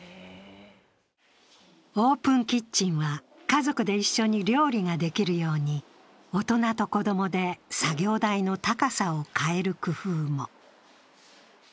オープンキッチンは家族で一緒に料理ができるように大人と子供で作業台の高さを変える工夫も。